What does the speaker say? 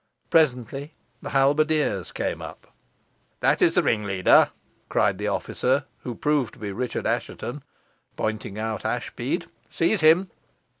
Presently the halberdiers came up. "That is the ringleader," cried the officer, who proved to be Richard Assheton, pointing out Ashbead; "seize him!"